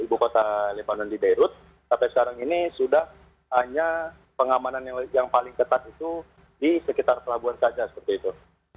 ibu kota lebanon di beirut sampai sekarang ini sudah hanya pengamanan yang paling ketat itu di sekitar pelabuhan saja seperti itu